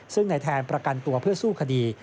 ซึ่งในแทนประกันตัวเพื่อสู้คดี